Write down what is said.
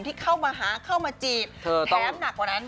ที่เข้ามาหาเข้ามาจีบแถมหนักกว่านั้น